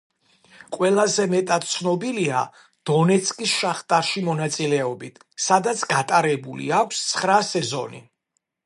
ყველაზე მეტად ცნობილია დონეცკის შახტარში მონაწილეობით, სადაც გატარებული აქვს ცხრა სეზონი.